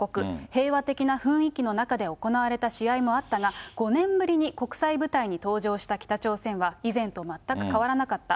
平和的な雰囲気の中で行われた試合もあったが、５年ぶりに国際舞台に登場した北朝鮮は、以前と全く変わらなかった。